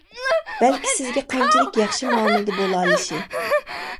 بەلكى سىزگە قانچىلىك ياخشى مۇئامىلىدە بولالىشى.